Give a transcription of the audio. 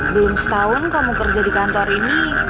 belum setahun kamu kerja di kantor ini